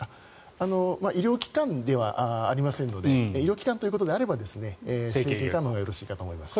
医療機関ではありませんので医療機関ということであれば整形外科のほうがよろしいかと思います。